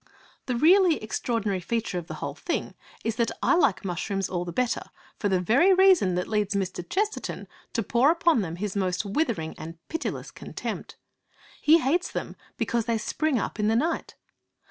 The really extraordinary feature of the whole thing is that I like mushrooms all the better for the very reason that leads Mr. Chesterton to pour upon them his most withering and pitiless contempt. He hates them because they spring up in the night.